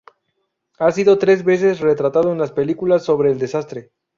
Ha sido tres veces retratado en las películas sobre el desastre.